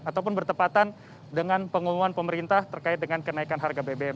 ataupun bertepatan dengan pengumuman pemerintah terkait dengan kenaikan harga bbm